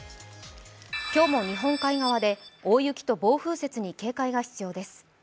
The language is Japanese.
今日も日本海側で大雪と暴風雪に警戒が必要です。